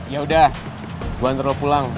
ya udah gue ntar lo pulang